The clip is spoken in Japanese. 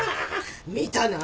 見たな。